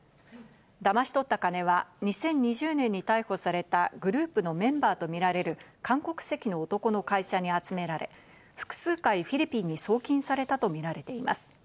だまし取った金は２０２０年に逮捕されたグループのメンバーとみられる韓国籍の男の会社に集められ、複数回フィリピンに送金されたとみられています。